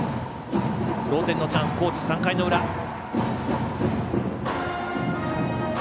同点のチャンス、高知、３回の裏。